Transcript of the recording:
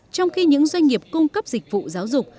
trong khi những doanh nghiệp cung cấp dịch vụ giáo dục